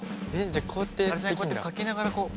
じゃあこうやって書きながらこう。